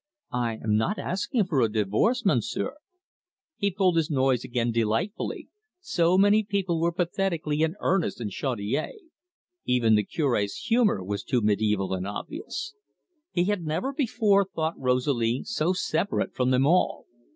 "I am not asking for a divorce, Monsieur." He pulled his nose again delightedly so many people were pathetically in earnest in Chaudiere even the Cure's humour was too mediaeval and obvious. He had never before thought Rosalie so separate from them all.